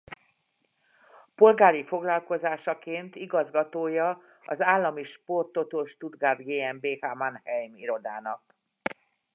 Polgári foglalkozásaként igazgatója az állami Sport Toto Stuttgart GmbH Mannheim irodának.